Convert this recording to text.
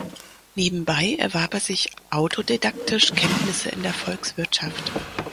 Nebenbei erwarb er sich autodidaktisch Kenntnisse in der Volkswirtschaft.